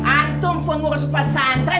antum pengurus pesantren